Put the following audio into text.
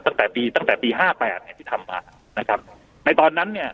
ตั้งแต่ปีตั้งแต่ปีห้าแปดเนี้ยที่ทำมานะครับในตอนนั้นเนี่ย